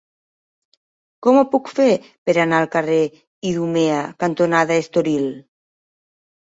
Com ho puc fer per anar al carrer Idumea cantonada Estoril?